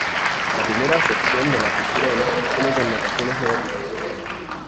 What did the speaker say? La primera acepción de la cultura de masas tiene connotaciones negativas.